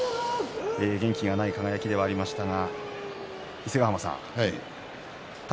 元気がない輝ではありましたが伊勢ヶ濱さん宝